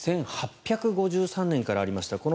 １８５３年からありました。